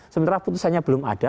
sementara putusannya belum ada